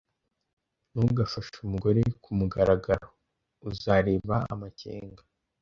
Ntugafashe umugore kumugaragaro. Uzareba amakenga.